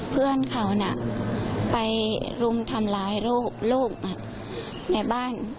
เพื่อนเขาน่ะไปรุมทำร้ายลูกในบ้าน